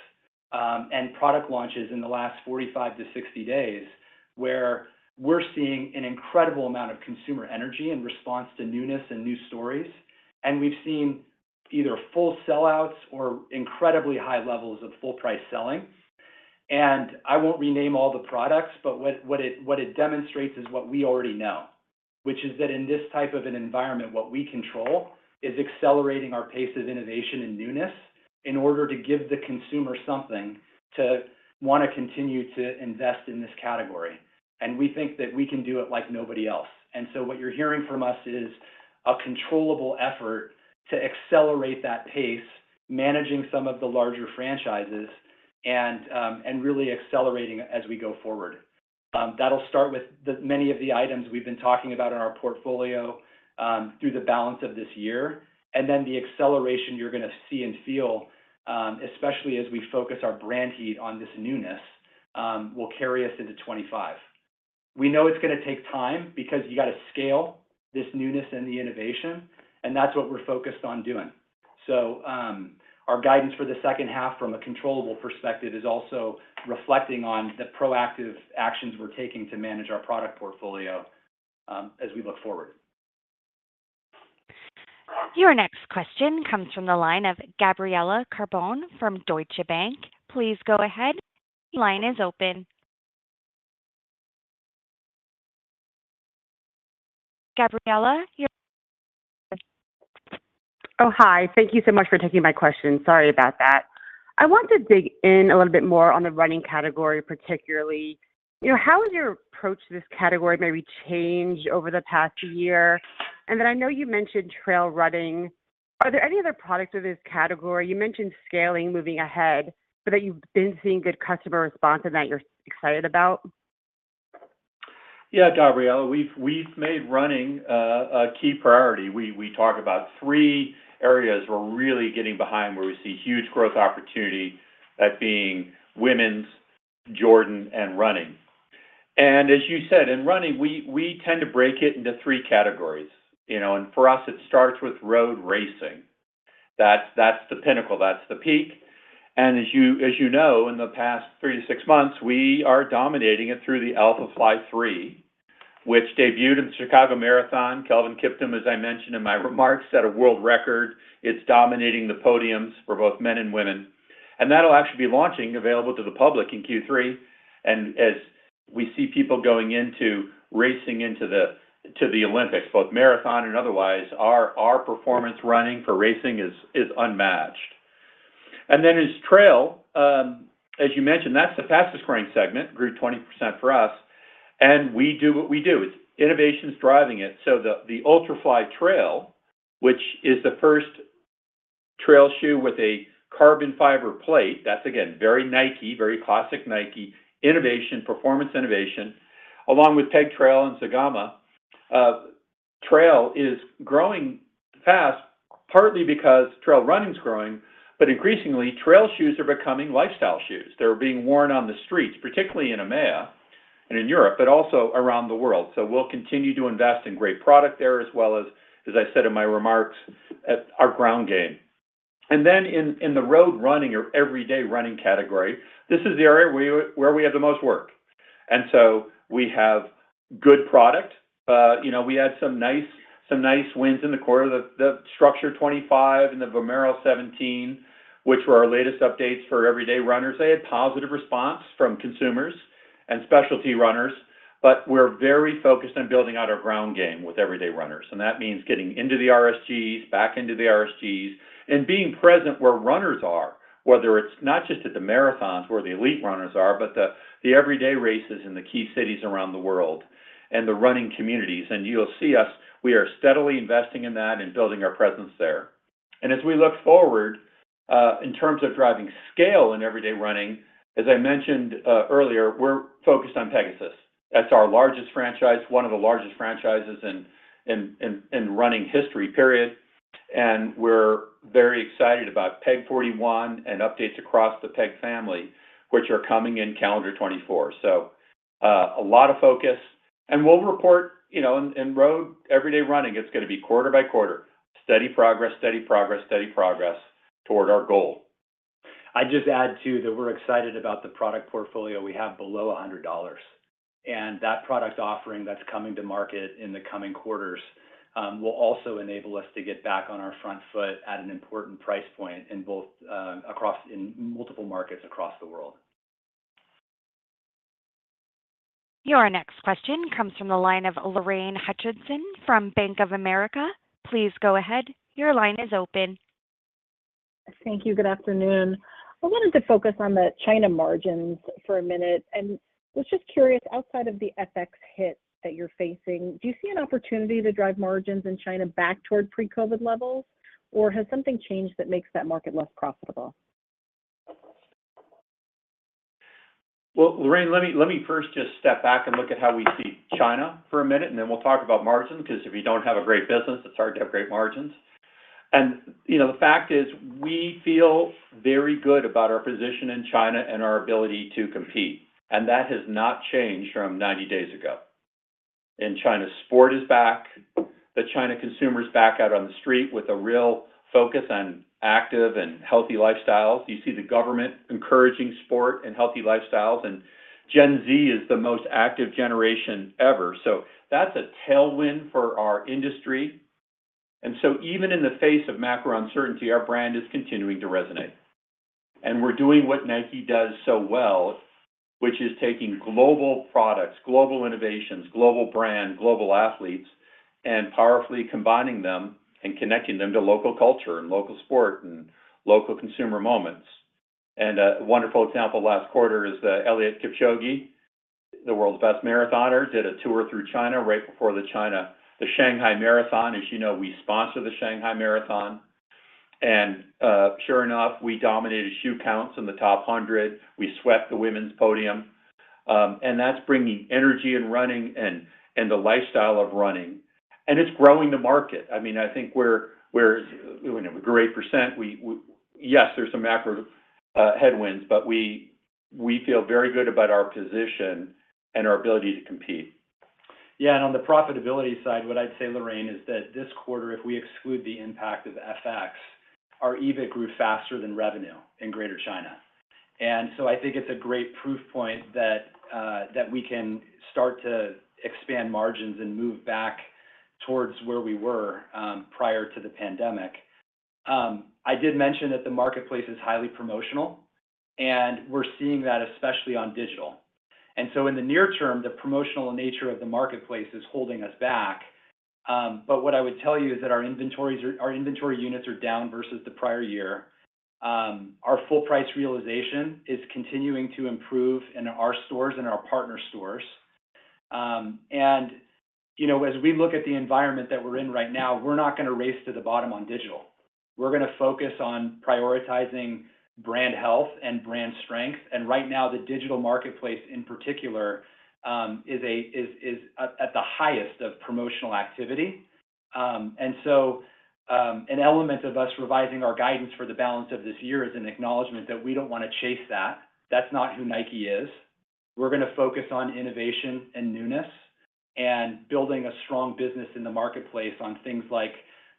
and product launches in the last 45-60 days where we're seeing an incredible amount of consumer energy in response to newness and new stories. We've seen either full sellouts or incredibly high levels of full price selling. I won't rename all the products, but what it demonstrates is what we already know, which is that in this type of an environment, what we control is accelerating our pace of innovation and newness in order to give the consumer something to wanna continue to invest in this category. We think that we can do it like nobody else. So what you're hearing from us is a controllable effort to accelerate that pace, managing some of the larger franchises, and really accelerating as we go forward. That'll start with many of the items we've been talking about in our portfolio, through the balance of this year. Then the acceleration you're gonna see and feel, especially as we focus our brand heat on this newness, will carry us into 2025. We know it's gonna take time because you gotta scale this newness and the innovation, and that's what we're focused on doing. So, our guidance for the second half from a controllable perspective is also reflecting on the proactive actions we're taking to manage our product portfolio, as we look forward. Your next question comes from the line of Gabriella Carbone from Deutsche Bank. Please go ahead. Line is open. Gabriella, you're. Oh, hi. Thank you so much for taking my question. Sorry about that. I want to dig in a little bit more on the running category, particularly. You know, how has your approach to this category maybe changed over the past year? And then I know you mentioned trail running. Are there any other products with this category? You mentioned scaling, moving ahead, but that you've been seeing good customer response and that you're excited about. Yeah, Gabriella. We've made running a key priority. We talk about three areas we're really getting behind where we see huge growth opportunity, that being women's, Jordan, and running. And as you said, in running, we tend to break it into three categories, you know? And for us, it starts with road racing. That's the pinnacle. That's the peak. And as you know, in the past three to six months, we are dominating it through the Alphafly 3, which debuted in the Chicago Marathon. Kelvin Kiptum, as I mentioned in my remarks, set a world record. It's dominating the podiums for both men and women. And that'll actually be launching, available to the public in Q3. And as we see people going into racing into the Olympics, both marathon and otherwise, our performance running for racing is unmatched. And then, as trail, as you mentioned, that's the fastest-growing segment, grew 20% for us. And we do what we do. It's innovation's driving it. So the Ultrafly Trail, which is the first trail shoe with a carbon fiber plate, that's, again, very Nike, very classic Nike, innovation, performance innovation, along with Peg Trail and Zegama, trail is growing fast partly because trail running's growing, but increasingly, trail shoes are becoming lifestyle shoes. They're being worn on the streets, particularly in EMEA and in Europe, but also around the world. So we'll continue to invest in great product there as well as, as I said in my remarks, at our ground game. And then in the road running or everyday running category, this is the area where we have the most work. And so we have good product. You know, we had some nice wins in the core of the Structure 25 and the Vomero 17, which were our latest updates for everyday runners. They had positive response from consumers and specialty runners. But we're very focused on building out our ground game with everyday runners. And that means getting into the RSGs, back into the RSGs, and being present where runners are, whether it's not just at the marathons where the elite runners are, but the everyday races in the key cities around the world and the running communities. And you'll see us; we are steadily investing in that and building our presence there. And as we look forward, in terms of driving scale in everyday running, as I mentioned earlier, we're focused on Pegasus. That's our largest franchise, one of the largest franchises in running history, period. We're very excited about Peg 41 and updates across the Peg family, which are coming in calendar 2024. A lot of focus. We'll report, you know, in road everyday running, it's gonna be quarter by quarter, steady progress, steady progress, steady progress toward our goal. I'd just add, too, that we're excited about the product portfolio we have below $100. And that product offering that's coming to market in the coming quarters will also enable us to get back on our front foot at an important price point in both, across in multiple markets across the world. Your next question comes from the line of Lorraine Hutchinson from Bank of America. Please go ahead. Your line is open. Thank you. Good afternoon. I wanted to focus on the China margins for a minute. I was just curious, outside of the FX hit that you're facing, do you see an opportunity to drive margins in China back toward pre-COVID levels? Or has something changed that makes that market less profitable? Well, Lorraine, let me let me first just step back and look at how we see China for a minute, and then we'll talk about margins 'cause if you don't have a great business, it's hard to have great margins. You know, the fact is, we feel very good about our position in China and our ability to compete. That has not changed from 90 days ago. China sport is back. The China consumer's back out on the street with a real focus on active and healthy lifestyles. You see the government encouraging sport and healthy lifestyles. Gen Z is the most active generation ever. So that's a tailwind for our industry. Even in the face of macro uncertainty, our brand is continuing to resonate. We're doing what Nike does so well, which is taking global products, global innovations, global brand, global athletes, and powerfully combining them and connecting them to local culture and local sport and local consumer moments. A wonderful example last quarter is the Eliud Kipchoge, the world's best marathoner, did a tour through China right before the Shanghai Marathon. As you know, we sponsor the Shanghai Marathon. And, sure enough, we dominated shoe counts in the top 100. We swept the women's podium, and that's bringing energy and running and the lifestyle of running. And it's growing the market. I mean, I think we're, you know, 80%. We, yes, there's some macro headwinds, but we feel very good about our position and our ability to compete. Yeah. And on the profitability side, what I'd say, Lorraine, is that this quarter, if we exclude the impact of FX, our EBIT grew faster than revenue in Greater China. And so I think it's a great proof point that we can start to expand margins and move back towards where we were, prior to the pandemic. I did mention that the marketplace is highly promotional, and we're seeing that especially on digital. And so in the near term, the promotional nature of the marketplace is holding us back. But what I would tell you is that our inventory units are down versus the prior year. Our full price realization is continuing to improve in our stores and our partner stores. And, you know, as we look at the environment that we're in right now, we're not gonna race to the bottom on digital. We're gonna focus on prioritizing brand health and brand strength. Right now, the digital marketplace in particular is at the highest of promotional activity. So, an element of us revising our guidance for the balance of this year is an acknowledgment that we don't wanna chase that. That's not who Nike is. We're gonna focus on innovation and newness and building a strong business in the marketplace on things like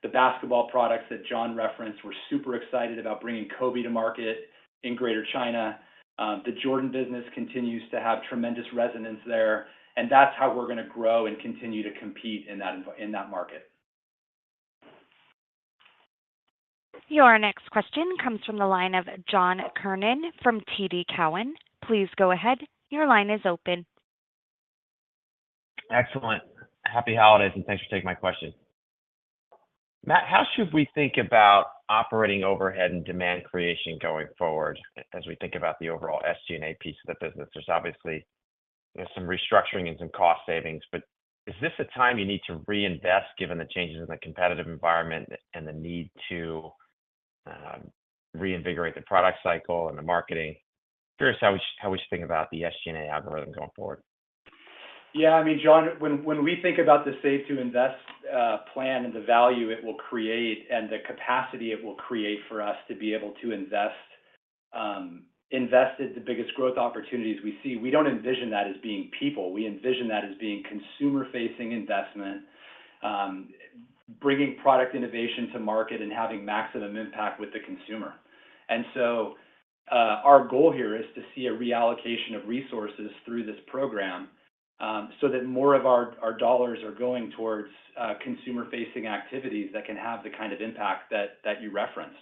the basketball products that John referenced. We're super excited about bringing Kobe to market in Greater China. The Jordan business continues to have tremendous resonance there. And that's how we're gonna grow and continue to compete in that market. Your next question comes from the line of John Kernan from TD Cowen. Please go ahead. Your line is open. Excellent. Happy holidays, and thanks for taking my question. Matt, how should we think about operating overhead and demand creation going forward as we think about the overall SG&A piece of the business? There's obviously, you know, some restructuring and some cost savings. But is this a time you need to reinvest given the changes in the competitive environment and the need to, reinvigorate the product cycle and the marketing? Curious how we should think about the SG&A algorithm going forward. Yeah. I mean, John, when we think about the Save to Invest plan and the value it will create and the capacity it will create for us to be able to invest in the biggest growth opportunities we see, we don't envision that as being people. We envision that as being consumer-facing investment, bringing product innovation to market and having maximum impact with the consumer. And so, our goal here is to see a reallocation of resources through this program, so that more of our dollars are going towards consumer-facing activities that can have the kind of impact that you referenced.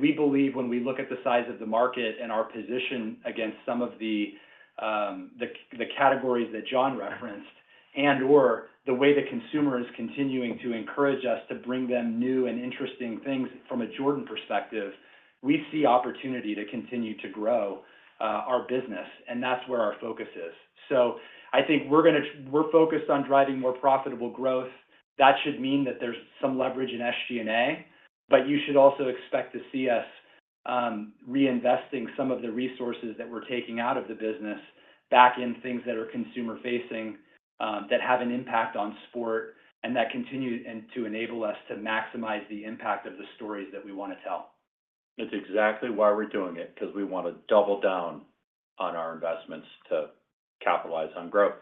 We believe when we look at the size of the market and our position against some of the categories that John referenced and/or the way the consumer is continuing to encourage us to bring them new and interesting things from a Jordan perspective, we see opportunity to continue to grow our business. And that's where our focus is. So I think we're focused on driving more profitable growth. That should mean that there's some leverage in SG&A. But you should also expect to see us reinvesting some of the resources that we're taking out of the business back in things that are consumer-facing, that have an impact on sport and that continue and to enable us to maximize the impact of the stories that we wanna tell. That's exactly why we're doing it 'cause we wanna double down on our investments to capitalize on growth.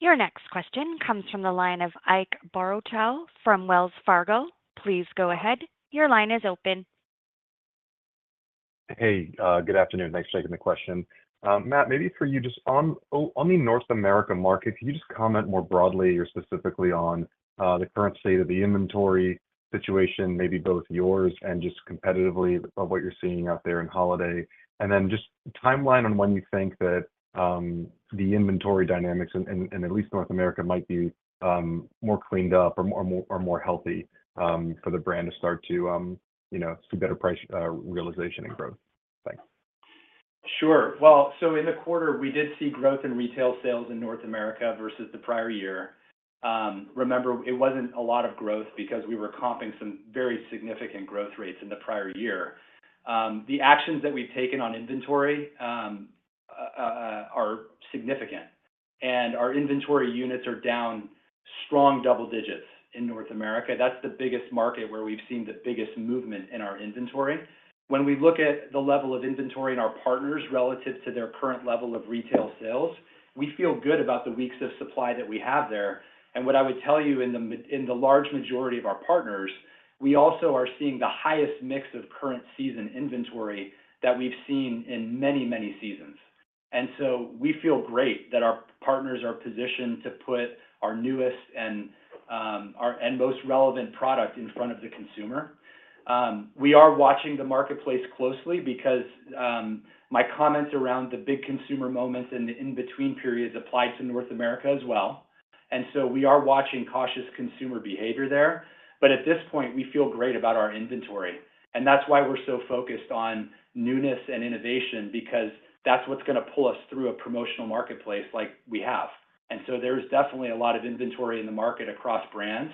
Your next question comes from the line of Ike Boruchow from Wells Fargo. Please go ahead. Your line is open. Hey, good afternoon. Thanks for taking the question. Matt, maybe for you, just on the North America market, could you just comment more broadly or specifically on the current state of the inventory situation, maybe both yours and just competitively on what you're seeing out there in holiday? And then just timeline on when you think that the inventory dynamics in at least North America might be more cleaned up or more healthy for the brand to start to, you know, see better price realization and growth. Thanks. Sure. Well, so in the quarter, we did see growth in retail sales in North America versus the prior year. Remember, it wasn't a lot of growth because we were comping some very significant growth rates in the prior year. The actions that we've taken on inventory are significant. Our inventory units are down strong double digits in North America. That's the biggest market where we've seen the biggest movement in our inventory. When we look at the level of inventory in our partners relative to their current level of retail sales, we feel good about the weeks of supply that we have there. What I would tell you, in the large majority of our partners, we also are seeing the highest mix of current season inventory that we've seen in many, many seasons. We feel great that our partners are positioned to put our newest and most relevant product in front of the consumer. We are watching the marketplace closely because my comments around the big consumer moments and the in-between periods apply to North America as well. We are watching cautious consumer behavior there. But at this point, we feel great about our inventory. That's why we're so focused on newness and innovation because that's what's gonna pull us through a promotional marketplace like we have. There's definitely a lot of inventory in the market across brands,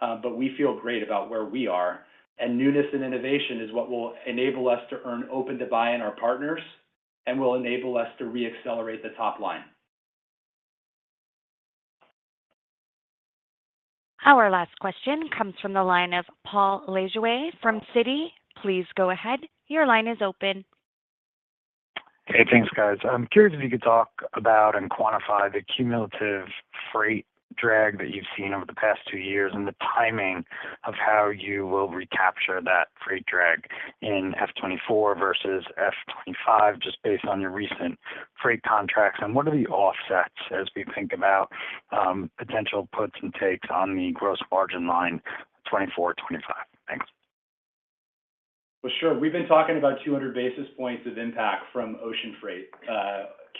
but we feel great about where we are. Newness and innovation is what will enable us to earn open to buy in our partners and will enable us to reaccelerate the top line. Our last question comes from the line of Paul Lejuez from Citi. Please go ahead. Your line is open. Hey. Thanks, guys. I'm curious if you could talk about and quantify the cumulative freight drag that you've seen over the past two years and the timing of how you will recapture that freight drag in F24 versus F25 just based on your recent freight contracts. And what are the offsets as we think about potential puts and takes on the gross margin line 24/25? Thanks. Well, sure. We've been talking about 200 basis points of impact from ocean freight,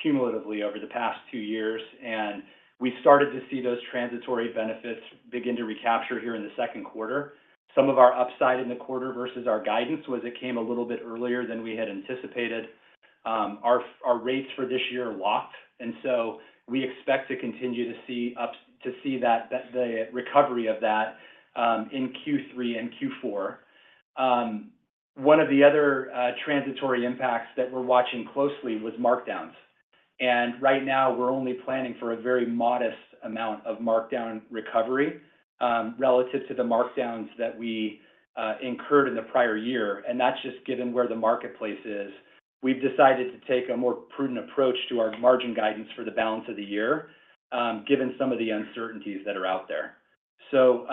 cumulatively over the past two years. And we started to see those transitory benefits begin to recapture here in the second quarter. Some of our upside in the quarter versus our guidance was it came a little bit earlier than we had anticipated. Our rates for this year locked. And so we expect to continue to see ups to see that the recovery of that in Q3 and Q4. One of the other transitory impacts that we're watching closely was markdowns. And right now, we're only planning for a very modest amount of markdown recovery, relative to the markdowns that we incurred in the prior year. And that's just given where the marketplace is. We've decided to take a more prudent approach to our margin guidance for the balance of the year, given some of the uncertainties that are out there. So,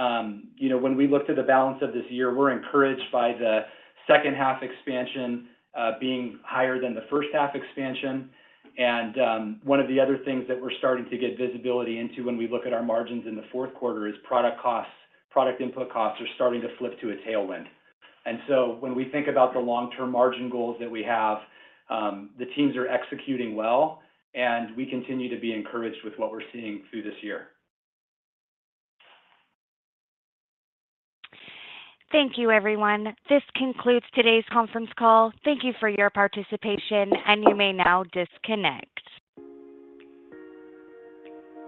you know, when we look to the balance of this year, we're encouraged by the second-half expansion, being higher than the first-half expansion. One of the other things that we're starting to get visibility into when we look at our margins in the fourth quarter is product costs product input costs are starting to flip to a tailwind. And so when we think about the long-term margin goals that we have, the teams are executing well. We continue to be encouraged with what we're seeing through this year. Thank you, everyone. This concludes today's conference call. Thank you for your participation, and you may now disconnect.